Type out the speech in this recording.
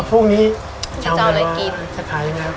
มาพรุ่งนี้เราว่าจะขายเลยมั้ยกินซื้อเจ้าหน่อยกิน